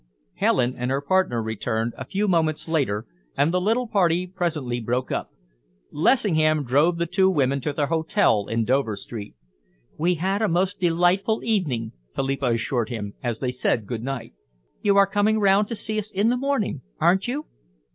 Helen and her partner returned, a few moments later, and the little party presently broke up. Lessingham drove the two women to their hotel in Dover Street. "We've had a most delightful evening," Philippa assured him, as they said good night. "You are coming round to see us in the morning, aren't you?"